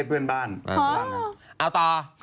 เอาต่อ